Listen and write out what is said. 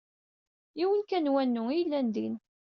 Yiwen kan n wanu ay yellan din.